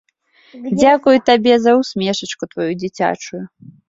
Дзякую табе за ўсмешачку тваю дзіцячую.